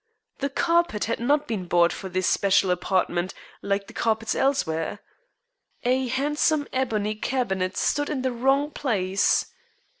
The carpet had not been bought for this special apartment like the carpets elsewhere. A handsome ebony cabinet stood in the wrong place.